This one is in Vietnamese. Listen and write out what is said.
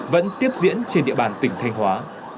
vẫn tiếp diễn trên địa bàn tỉnh thanh hóa